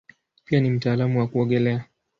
Pia ni mtaalamu wa kuogelea.